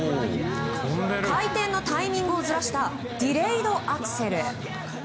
回転のタイミングをずらしたディレイドアクセル。